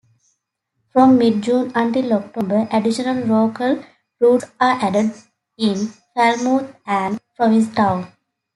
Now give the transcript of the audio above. From mid June until October, additional local routes are added in Falmouth and Provincetown.